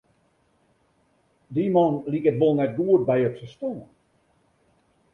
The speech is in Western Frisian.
Dy man liket wol net goed by it ferstân.